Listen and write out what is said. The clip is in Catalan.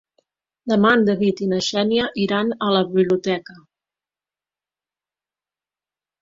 Demà en David i na Xènia iran a la biblioteca.